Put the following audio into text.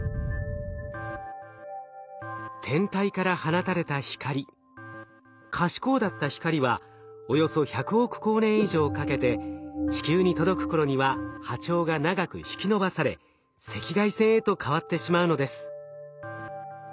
天体から放たれた光可視光だった光はおよそ１００億光年以上かけて地球に届く頃には波長が長く引き伸ばされ赤外線へと変わってしまうのです。